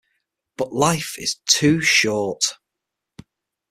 But life is too short.